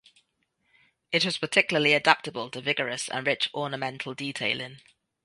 It was particularly adaptable to vigorous and rich ornamental detailing.